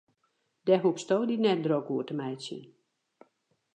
Dêr hoechsto dy net drok oer te meitsjen.